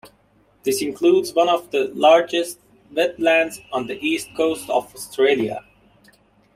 This includes one of the largest wetlands on the east coast of Australia.